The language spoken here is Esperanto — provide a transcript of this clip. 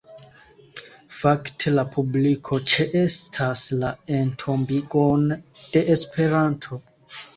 Fakte la publiko ĉeestas la entombigon de Esperanto.